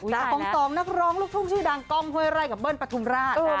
ต่างนักร้องลูกช่วงชื่อดังก้องเฮ้ยไร่กับเบิ้ลปทุมราช